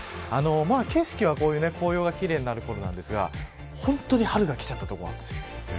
景色は紅葉が奇麗になるころなんですが本当に春が来ちゃった所があるんです。